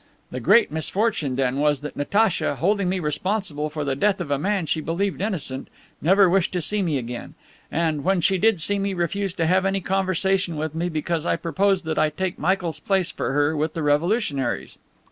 The great misfortune then was that Natacha, holding me responsible for the death of a man she believed innocent, never wished to see me again, and, when she did see me, refused to have any conversation with me because I proposed that I take Michael's place for her with the revolutionaries.